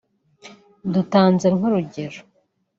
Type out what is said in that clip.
Dutanze nk'urugero